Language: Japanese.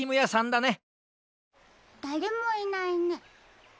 だれもいないね。